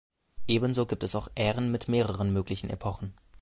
Ebenso gibt es auch Ären mit mehreren möglichen Epochen.